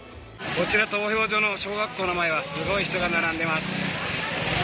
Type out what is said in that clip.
こちら、投票所の小学校の前はすごい人が並んでいます。